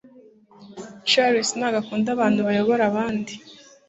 Chris ntabwo akunda abantu bayobora abandi